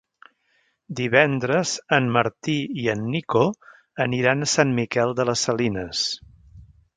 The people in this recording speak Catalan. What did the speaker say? Divendres en Martí i en Nico aniran a Sant Miquel de les Salines.